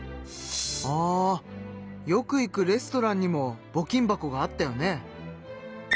あよく行くレストランにもぼ金箱があったよね？